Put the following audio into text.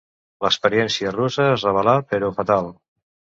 L'experiència russa es revelà, però, fatal.